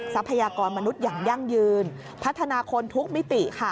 ทรัพยากรมนุษย์อย่างยั่งยืนพัฒนาคนทุกมิติค่ะ